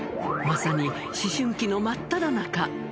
まさに思春期の真っただ中。